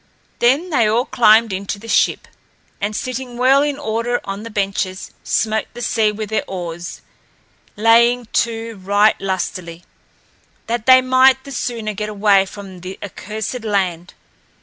Then they all climbed into the ship, and sitting well in order on the benches, smote the sea with their oars, laying to right lustily, that they might the sooner get away from the accursed land.